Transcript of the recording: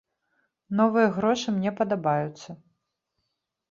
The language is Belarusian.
Новыя грошы мне падабаюцца.